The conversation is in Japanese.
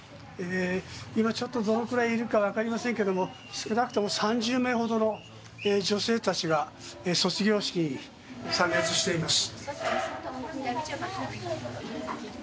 今、どのくらいいるか分かりませんけれども少なくとも３０名ほどの女性たちが卒業式に参列しています。